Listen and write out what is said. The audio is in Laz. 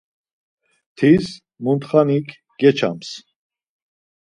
Tis muntxanik geçams.